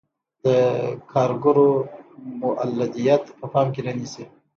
د کارګرو مولدیت په پام کې نه نیسي.